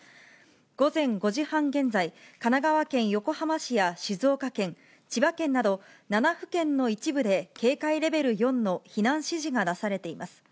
午前５時半現在、神奈川県横浜市や静岡県、千葉県など、７府県の一部で警戒レベル４の避難指示が出されています。